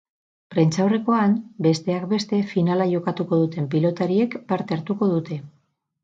Prentsaurrekoan, besteak beste, finala jokatuko duten pilotariek parte hartuko dute.